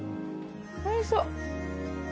おいしそう。